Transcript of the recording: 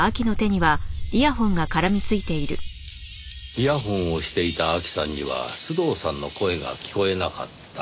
イヤホンをしていた明希さんには須藤さんの声が聞こえなかった。